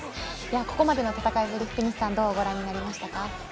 ここまでの戦いを福西さんどうご覧になりましたか？